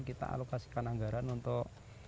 kita alokasikan anggaran untuk